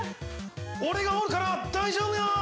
◆俺がおるから大丈夫や！